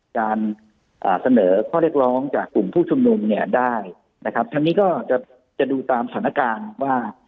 การเสนอข้อเรียกร้องจากกลุ่มผู้ชุมนุมเนี่ยได้นะครับทั้งนี้ก็จะจะดูตามสถานการณ์ว่า